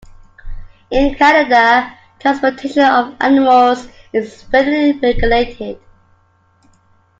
In Canada, transportation of animals is federally regulated.